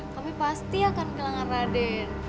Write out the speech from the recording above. tapi pasti akan kehilangan raden